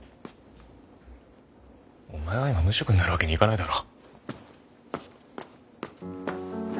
お前は今無職になるわけにはいかないだろ。